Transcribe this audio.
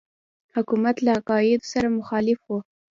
حکومت له عقایدو سره مخالف وو.